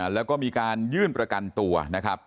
แล้วก็มีการยื่นประกันตัวนะครับ